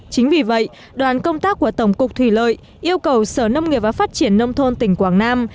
chính vì vậy đoàn công tác của tổng cục thủy lợi yêu cầu sở nông nghiệp và phát triển nông thôn tỉnh quảng nam